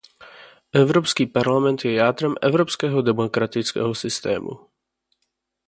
Evropský parlament je jádrem evropského demokratického systému.